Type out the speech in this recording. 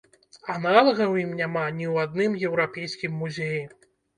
Аналагаў ім няма ні ў адным еўрапейскім музеі!